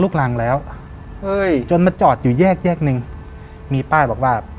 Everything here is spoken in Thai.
ลูกรังแล้วเอ้ยจนมาจอดอยู่แยกแยกหนึ่งมีป้ายบอกว่า